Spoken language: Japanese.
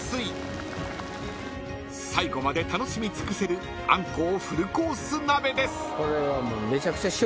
［最後まで楽しみ尽くせるあんこうフルコース鍋です］